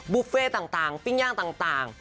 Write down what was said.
บุฟเฟ่ต่างปิ้งย่างต่าง